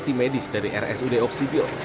tidak pernah sakit karena tangannya patah